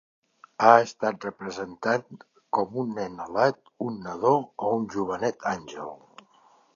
Ha estat representat com un nen alat, un nadó o un jovenet àngel.